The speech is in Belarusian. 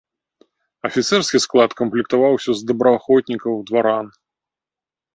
Афіцэрскі склад камплектаваўся з добраахвотнікаў-дваран.